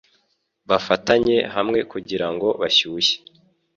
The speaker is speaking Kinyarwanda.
Bafatanye hamwe kugirango bashyushye